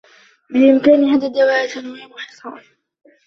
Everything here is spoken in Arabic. بإمكان هذا الدّواء تنويم حصان.